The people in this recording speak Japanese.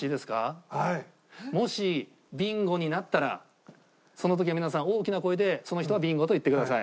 もしビンゴになったらその時は皆さん大きな声でその人は「ビンゴ」と言ってください。